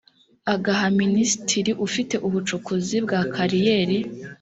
agaha minisitiri ufite ubucukuzi bwa kariyeri